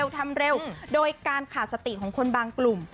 ทำเร็วโดยการขาดสติของคนบางกลุ่ม